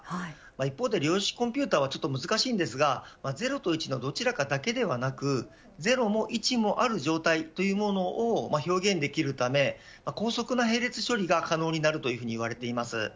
一方で、量子コンピューターはちょっと難しいんですが０と１のどちらかだけではなく０も１もある状態というものを表現できるため高速な並列処理が可能になるといわれています。